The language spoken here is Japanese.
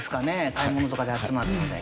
買い物とかで集まるので。